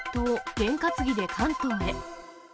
験担ぎで関東へ。